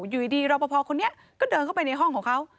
อยู่ดีรอปภคนนี้ก็เดินเข้าไปในห้องของเขา